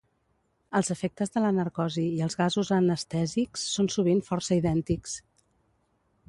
Els efectes de la narcosi i els gasos anestèsics són sovint força idèntics.